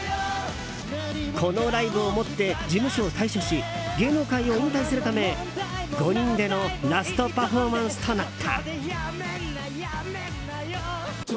このライブをもって事務所を退所し芸能界を引退するため５人でのラストパフォーマンスとなった。